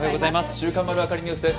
週刊まるわかりニュースです。